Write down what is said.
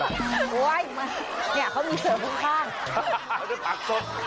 โอ้ยเนี่ยเขามีเสิร์ฟข้าง